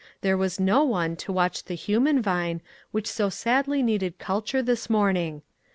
There was no one to watch the human vine which so sadly needed culture this morning.